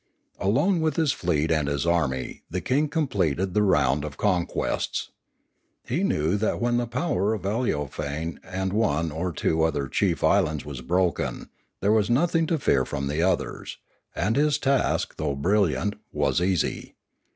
Alone with his fleet and his army the king completed the round of conquests. He knew that when the power of Aleofane and one or two other chief islands was broken, there Was nothing to fear from the others, and his task, though brilliant, was easy.